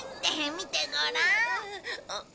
見てごらん。